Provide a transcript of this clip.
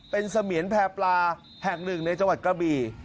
เป็นเสมียนแพร่ปลาแห่งหนึ่งในจังหวัดกระบี่